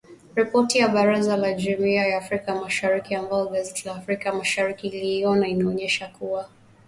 Ripoti ya Baraza la Jumuiya ya Afrika Mashariki ambayo gazeti la Africa Mashariki iliiona inaonyesha kuwa Uganda haijaridhishwa na ripoti hiyo ya kamati ya uhakiki.